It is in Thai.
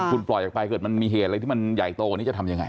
คุณปล่อยออกไปเกิดมันมีเหตุอะไรที่มันใหญ่โตกว่านี้จะทำยังไง